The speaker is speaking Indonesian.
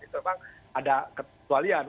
itu memang ada kecualian